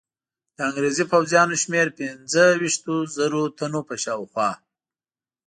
د انګرېزي پوځیانو شمېر پنځه ویشتو زرو تنو په شاوخوا.